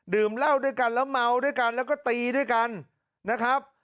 เหล้าด้วยกันแล้วเมาด้วยกันแล้วก็ตีด้วยกันนะครับ